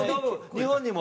日本にも。